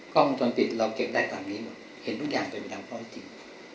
กล้องจนปิดเราเก็บได้ตรงนี้หมดเห็นทุกอย่างตัวเองเป็นตัวจริง